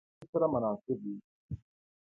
قیمت باید له محصول سره مناسب وي.